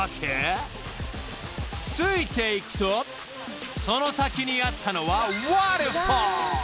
［ついていくとその先にあったのは］